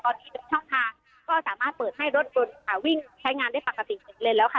ตอนนี้เป็นช่องทางก็สามารถเปิดให้รถยนต์ค่ะวิ่งใช้งานได้ปกติ๑เลนแล้วค่ะ